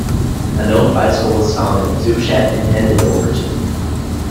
An old bicycle was found in a tool-shed and handed over to me.